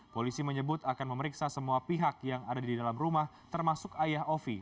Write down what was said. polisi menyebut akan memeriksa semua pihak yang ada di dalam rumah termasuk ayah ovi